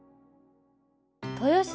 豊洲